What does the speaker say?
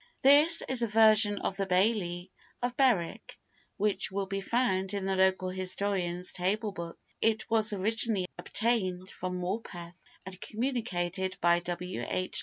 [THIS is a version of the Baillie of Berwick, which will be found in the Local Historian's Table Book. It was originally obtained from Morpeth, and communicated by W. H.